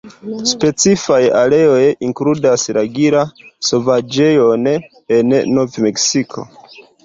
Specifaj areoj inkludas la Gila-Sovaĝejon en Nov-Meksiko.